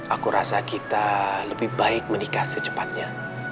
aku rasa kita lebih baik menikah secepatnya